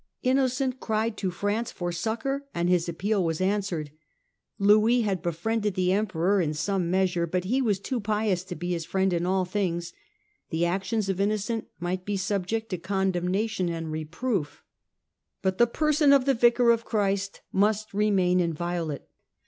Innocent cried to France for succour, and his appeal was answered. Louis had be friended the Emperor in some measure, but he was too pious to be his friend in all things : the actions of Inno cent might be subject to condemnation and reproof, O C/J 2 5 H 2 W W E oi h O E 2 o & w W CJ THE DEPOSED EMPEROR 257 but the person of the Vicar of Christ must remain in violate.